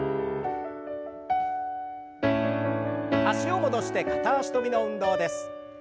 脚を戻して片脚跳びの運動です。